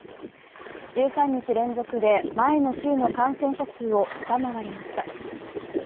１３日連続で前の週の感染者数を下回りました。